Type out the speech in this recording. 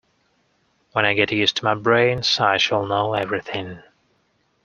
When I get used to my brains I shall know everything.